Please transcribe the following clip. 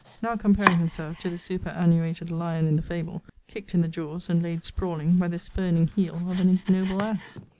now comparing himself to the superannuated lion in the fable, kicked in the jaws, and laid sprawling, by the spurning heel of an ignoble ass!